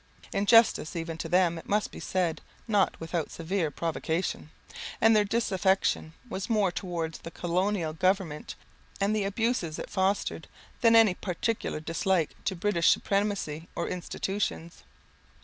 In justice even to them, it must be said, not without severe provocation; and their disaffection was more towards the colonial government, and the abuses it fostered, than any particular dislike to British supremacy or institutions.